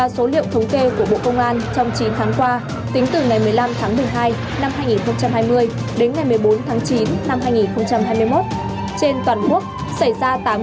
theo thống kê của ủy ban an toàn giao thông quốc gia tổng cục thống kê và số liệu thống kê của bộ công an trong chín tháng qua tính từ ngày một mươi năm tháng một mươi hai năm hai nghìn hai mươi đến ngày một mươi bốn tháng chín năm hai nghìn hai mươi một